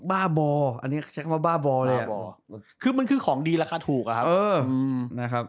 บ้าบออันนี้ใช้คำว่าบ้าบอเลยอ่ะคือมันคือของดีราคาถูกอะครับนะครับ